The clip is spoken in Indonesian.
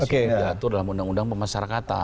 yang diatur dalam undang undang pemasarakatan